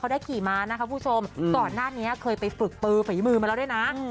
ได้ขี่มานะคะคุณผู้ชมก่อนหน้านี้เคยไปฝึกปือฝีมือมาแล้วด้วยนะ